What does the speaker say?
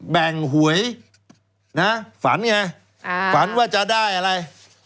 แบ่งหวยนะฝันไงอ่าฝันว่าจะได้อะไร